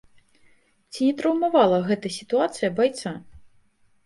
Ці не траўмавала гэта сітуацыя байца?